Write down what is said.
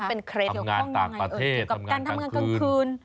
ทำงานต่างประเทศทำงานต่างคืน